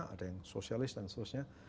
ada yang spesialis dan seterusnya